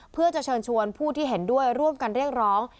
เพื่อจะเชิญชวนผู้ที่เห็นด้วยร่วมกันเรียกร้อง